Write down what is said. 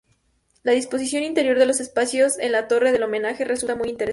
La disposición interior de los espacios, en la torre del homenaje, resulta muy interesante.